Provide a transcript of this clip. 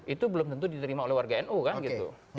itu belum tentu diterima oleh warga nu kan gitu